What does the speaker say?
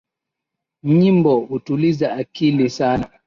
Nyimbo hutuliza akili sana